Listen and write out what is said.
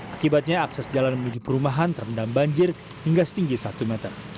akibatnya akses jalan menuju perumahan terendam banjir hingga setinggi satu meter